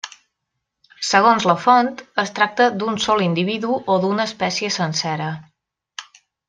Segons la font, es tracta d'un sol individu o d'una espècie sencera.